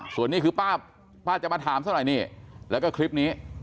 ส่วนนี้คือป้าป้าจะมาถามซะหน่อยนี่แล้วก็คลิปนี้